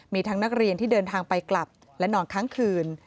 มีทั้งนักเรียนที่เดินทางไปกลับและนอนค้างคืน